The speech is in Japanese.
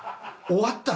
終わった。